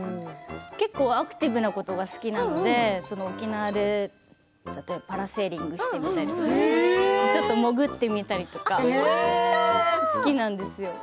結構、アクティブなことが好きなので沖縄でパラセーリングしてみたり潜ってみたりとか好きなんですよ。